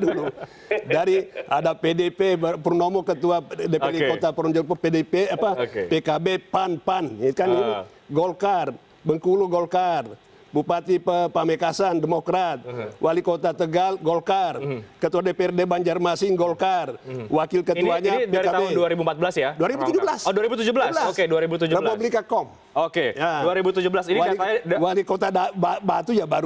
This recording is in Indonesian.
untuk melegitimasi bahwa ini partai paling korup